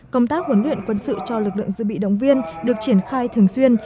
công tác huấn luyện quân sự cho lực lượng dự bị động viên được triển khai thường xuyên